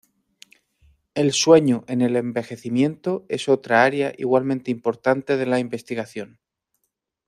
El sueño en el envejecimiento es otra área igualmente importante de la investigación.